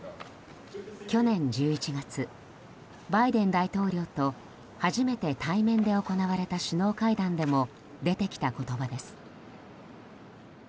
去年１１月、バイデン大統領と初めて対面で行われた首脳会談でも出てきた言葉です。